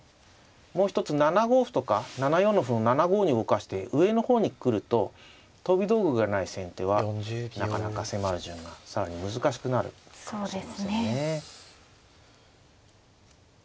もう一つ７五歩とか７四の歩を７五に動かして上の方に来ると飛び道具がない先手はなかなか迫る順が更に難しくなるかもしれませんね。